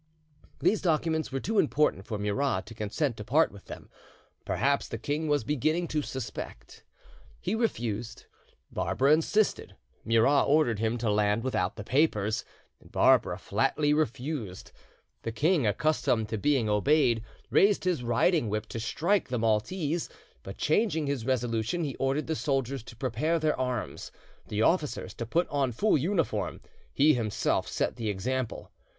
These documents were too important for Murat to consent to part with them; perhaps the king was beginning to suspect: he refused. Barbara insisted; Murat ordered him to land without the papers; Barbara flatly refused. The king, accustomed to being obeyed, raised his riding whip to strike the Maltese, but, changing his resolution, he ordered the soldiers to prepare their arms, the officers to put on full uniform; he himself set the example.